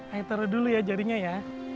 ayo taruh dulu jaringnya ya